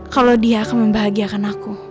kalau dia akan membahagiakan aku